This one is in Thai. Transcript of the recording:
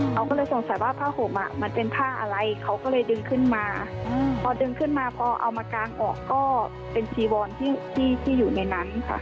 เราก็เลยสงสัยว่าผ้าห่มมันเป็นผ้าอะไรเขาก็เลยดึงขึ้นมาพอดึงขึ้นมาพอเอามากางออกก็เป็นจีวอนที่อยู่ในนั้นค่ะ